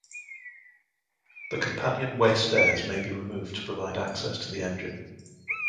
The companionway stairs may be removed to provide access to the engine.